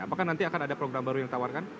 apakah nanti akan ada program baru yang ditawarkan